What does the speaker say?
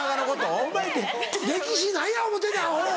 お前歴史何や思うてんねんアホ！